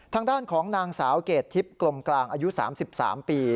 ทางด้านของนางสาวเกรดทิพย์กลมกลางอายุ๓๓ปี